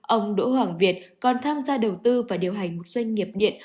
ông đỗ hoàng việt còn tham gia đầu tư và điều hành một doanh nghiệp điện